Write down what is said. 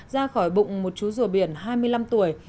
ra khỏi bụng một chú rùa biển hai mươi năm tuổi